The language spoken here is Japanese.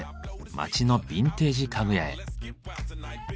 街のビンテージ家具屋へ。